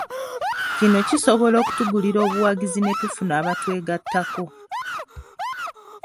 Kino kisobola okutugulira obuwagizi ne tufuna abatwegattako.